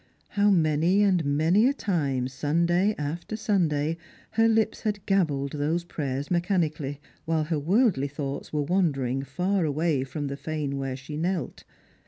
How many and many a time, Sunday after Sunday, her lips had gabbled those prayers mechanically, while her worldly thoughts were wandering far away from the fane where she knelt